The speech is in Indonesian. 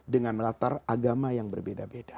dengan latar agama yang berbeda beda